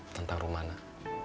tentang rumah enggak